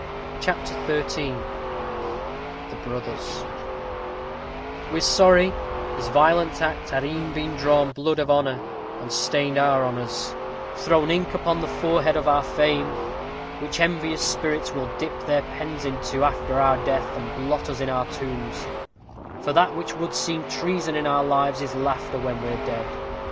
CHAPTER XIII THE BROTHERS We're sorry His violent act has e'en drawn blood of honor, And stained our honors; Thrown ink upon the forehead of our fame, Which envious spirits will dip their pens into After our death, and blot us in our tombs; For that which would seem treason in our lives, Is laughter when we're dead.